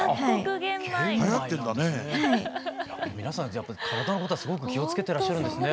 皆さんやっぱり体のことはすごく気をつけてらっしゃるんですね。